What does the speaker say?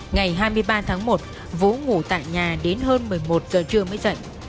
ngày hai mươi ba tháng một vũ ngủ tại nhà đến hơn một mươi một giờ trưa mới giận